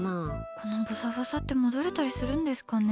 このぼさぼさって戻れたりするんですかね？